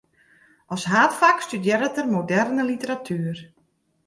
As haadfak studearret er moderne literatuer.